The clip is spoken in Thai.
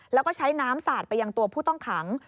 แล้วก็ใช้น้ำสาดไปยังตัวผู้ต้องขัง